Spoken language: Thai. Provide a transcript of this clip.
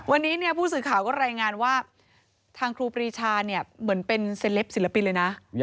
วันนี้ผู้สื่อข่าวก็รายงานว่าทางครูปรีชาเนี่ยเหมือนเป็นเซลปศิลปินเลยนะ